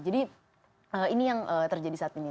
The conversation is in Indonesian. jadi ini yang terjadi saat ini